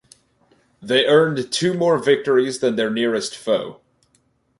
They earned two more victories than their nearest foe.